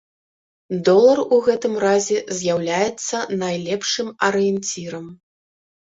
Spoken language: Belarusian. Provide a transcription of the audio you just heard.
Долар у гэтым разе з'яўляецца найлепшым арыенцірам.